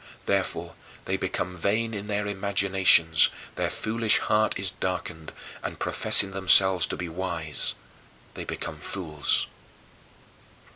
Therefore, they "become vain in their imaginations; their foolish heart is darkened, and professing themselves to be wise they become fools."